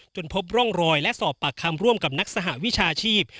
พบร่องรอยและสอบปากคำร่วมกับนักสหวิชาชีพ